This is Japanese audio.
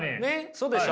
そうでしょ？